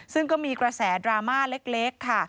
ซึ่งก็มีกระแสดราม่าเล็กค่ะ